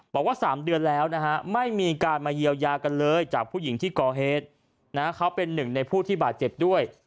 บอกว่า๓เดือนแล้วนะฮะไม่มีการมาเยียวยากันเลยจากผู้หญิงที่ก่อเหตุเขาเป็นหนึ่งในผู้ที่บาดเจ็บด้วย